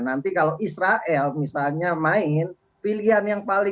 nanti kalau israel misalnya main ya itu adalah hal yang harus dilakukan